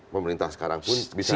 pemerintah sekarang pun bisa